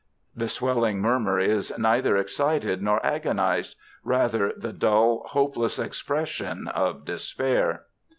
"_ The swelling murmur is neither excited nor agonized rather the dull, hopeless expression of despair.